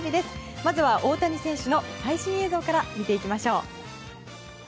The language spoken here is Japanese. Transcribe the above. まずは大谷選手の最新映像から見ていきましょう。